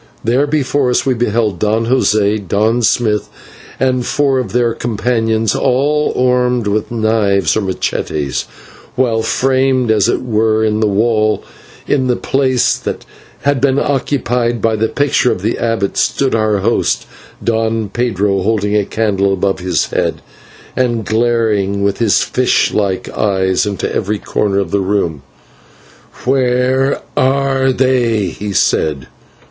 There before us we beheld Don José, Don Smith, and four of their companions, all armed with knives or /machetes/, while, framed, as it were in the wall, in the place that had been occupied by the picture of the abbot, stood our host, Don Pedro, holding a candle above his head, and glaring with his fish like eyes into every corner of the room. "Where are they?" he said.